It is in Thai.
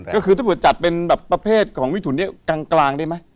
ก็คือถ้าจัดเป็นแบบประเภทของมิถุนเนี่ยกลางได้มั้ย